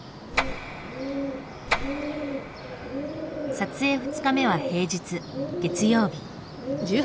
撮影２日目は平日月曜日。